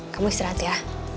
kamu istirahat ya